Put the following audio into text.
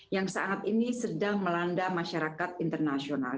yang saat ini sedang melanda masyarakat internasional